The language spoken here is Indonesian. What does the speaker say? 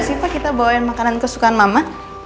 gak sih pak kita bawain makanan kesukaan mama